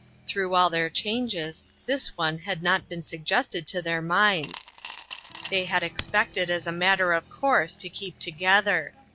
Through all their changes this 60 INTERRUPTED. one had not been suggested to their minds. They had expected, as a matter of course, to keep together.